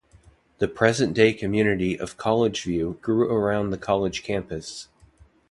The present-day community of College View grew around the college campus.